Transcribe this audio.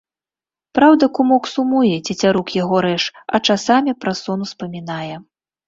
Праўда, кумок, сумуе, цецярук яго рэж, а часамі праз сон успамінае.